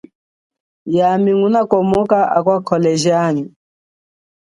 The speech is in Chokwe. Yami nguna komoka akwakhole jami.